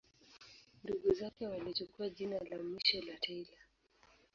Ndugu zake walichukua jina la mwisho la Taylor.